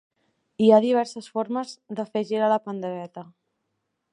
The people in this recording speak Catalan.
Hi ha diverses formes de fer girar la pandereta.